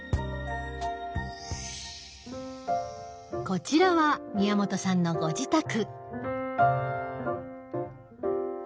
こちらは宮本さんのご自宅。